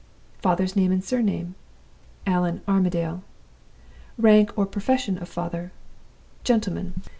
'Father's Name and Surname' Allan Armadale. 'Rank or Profession of Father' Gentleman.